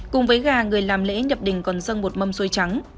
cùng với gà người làm lễ nhập đình còn dân một mâm xôi trắng